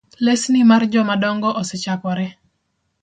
Lesni mar jomadongo osechakore